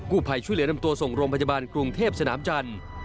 ภัยช่วยเหลือนำตัวส่งโรงพยาบาลกรุงเทพสนามจันทร์